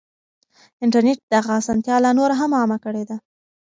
انټرنټ دغه اسانتيا لا نوره هم عامه کړې ده.